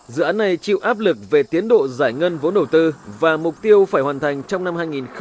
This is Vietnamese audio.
dự án này chịu áp lực về tiến độ giải ngân vốn đầu tư và mục tiêu phải hoàn thành trong năm hai nghìn hai mươi